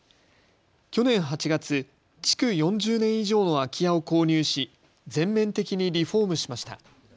去年８月、築４０年以上の空き家を購入し全面的にリフォームしました。